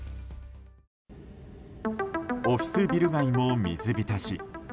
オフィスビル街も水浸し。